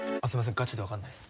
ガチで分かんないっす。